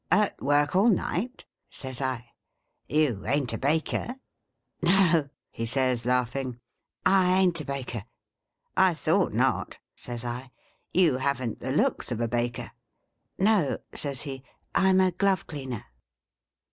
' At work all night 1 ' says I. ' You ain't a Baker ?'' No,' he says, laughing, ' I ain't a baker.' ' I thought not,' says I, ' you haven't the looks of a baker.' 'No,' says he, 'I'm a glove cleaner.'